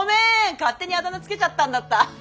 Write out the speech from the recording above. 勝手にあだ名付けちゃったんだった。